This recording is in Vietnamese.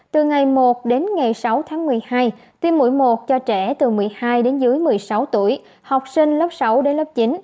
từ ngày một đến ngày sáu tháng một mươi hai tiêm mũi một cho trẻ từ một mươi hai đến dưới một mươi sáu tuổi học sinh lớp sáu đến lớp chín